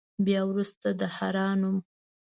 بیا وروسته د حرا نوم.